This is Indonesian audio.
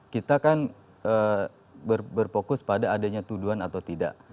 kita kan berfokus pada adanya tuduhan atau tidak